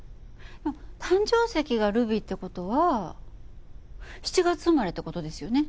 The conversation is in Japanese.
誕生石がルビーって事は７月生まれって事ですよね？